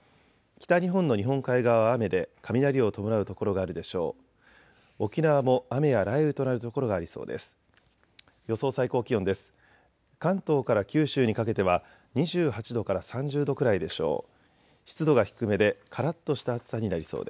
北日本の日本海側は雨で雷を伴う所があるでしょう。